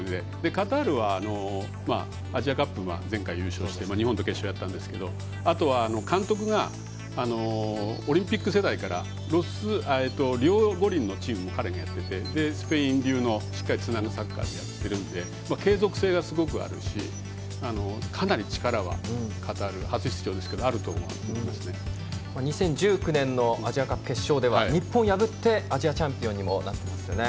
カタールはアジアカップも前回優勝して日本と決勝やったんですけどあとは、監督がオリンピック世代からリオ五輪のチームを彼がやっていてスペイン流のつなぐサッカーをしっかりやっているので継続性がすごくあるしかなり力はカタールは初出場ですけど２０１９年のアジアカップ決勝では日本を破ってアジアチャンピオンにもなってますよね。